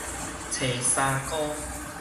揣三姑